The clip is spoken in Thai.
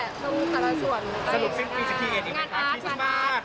งานอาร์ด